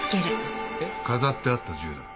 飾ってあった銃だ。